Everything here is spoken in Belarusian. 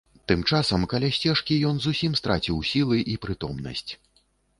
Тым часам каля сцежкі ён зусім страціў сілы і прытомнасць.